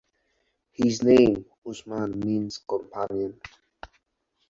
His name, Usman, means "companion".